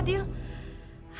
sudah saya kukira